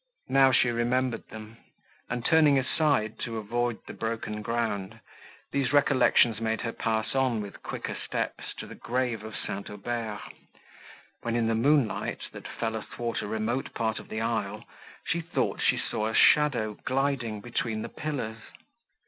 Now she remembered them, and, turning aside to avoid the broken ground, these recollections made her pass on with quicker steps to the grave of St. Aubert, when in the moonlight, that fell athwart a remote part of the aisle, she thought she saw a shadow gliding between the pillars.